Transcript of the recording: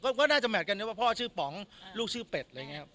ก็น่าจะแมทกันพ่อชื่อป๋องลูกชื่อเป็ด